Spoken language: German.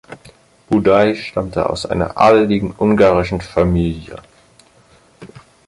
Budai stammte aus einer adeligen ungarischen Familie.